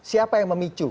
siapa yang memicu